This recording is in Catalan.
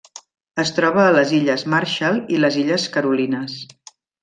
Es troba a les Illes Marshall i les Illes Carolines.